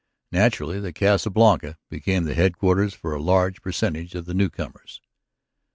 Naturally, the Casa Blanca became headquarters for a large percentage of the newcomers.